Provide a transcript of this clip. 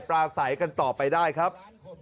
ปลาใสกันต่อไปได้ครับ